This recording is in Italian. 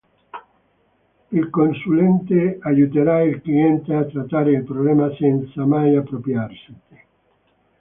Il consulente, aiuterà il cliente a trattare il problema senza mai appropriarsene.